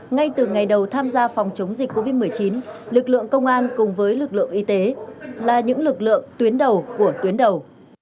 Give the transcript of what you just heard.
ngay từ ngày đầu tham gia phòng chống dịch covid một mươi chín lực lượng công an cùng với lực lượng y tế là những lực lượng tuyến đầu của tuyến đầu